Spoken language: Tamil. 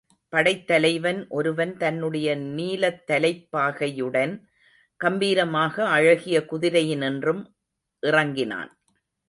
படைத்தலைவன் ஒருவன் தன்னுடைய நீலத்தலைப்பாகையுடன் கம்பீரமாக அழகிய குதிரையினின்றும் இறங்கினான்.